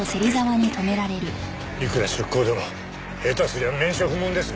いくら出向でも下手すりゃ免職もんですよ。